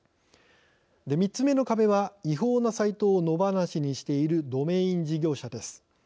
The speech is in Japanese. ３つ目の壁は違法なサイトを野放しにしているドメイン事業者です。